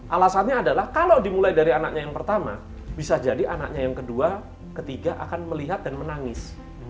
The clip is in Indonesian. alasannya adalah kalau dimulai dari anaknya yang pertama bisa jadi anaknya yang kedua ketiga akan melihat dan menangis